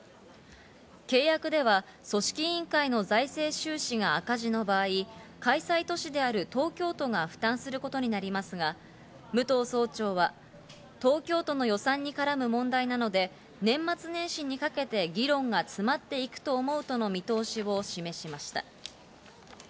契約では組織委員会の財政収支が赤字の場合、開催都市である東京都が負担することになりますが、武藤総長は東京都の予算に絡む問題なので年末年始にかけて議論がつまっていくと思うとの見通しを示しました。